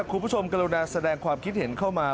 กรุณาแสดงความคิดเห็นเข้ามา